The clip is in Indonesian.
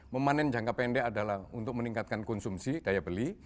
memanen jangka pendek adalah untuk meningkatkan konsumsi daya beli